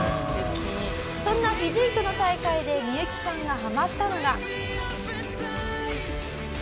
「そんなフィジークの大会でミユキさんがハマったのが」